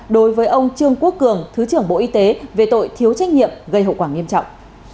đối với ông trương quốc cường thứ trưởng bộ y tế về tội thiếu trách nhiệm gây hậu quả nghiêm trọng